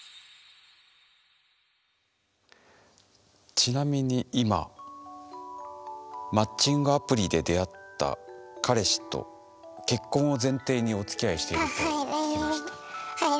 ちなみに今マッチングアプリで出会った彼氏と結婚を前提におつきあいしていると聞きました。